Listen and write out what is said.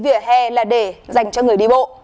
vỉa hè là để dành cho người đi bộ